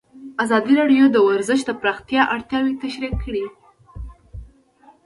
ازادي راډیو د ورزش د پراختیا اړتیاوې تشریح کړي.